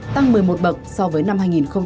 tăng một mươi một bậc so với năm hai nghìn một mươi